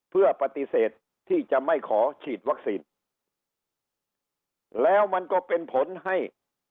เพื่อปฏิเสธที่จะไม่ขอฉีดวัคซีนแล้วมันก็เป็นผลให้